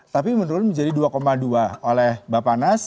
tapi menurun menjadi dua dua oleh bapak nas